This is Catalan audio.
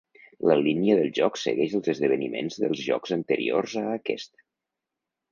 La línia del joc segueix els esdeveniments dels jocs anteriors a aquest.